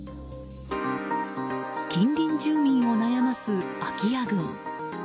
近隣住民を悩ます空き家群。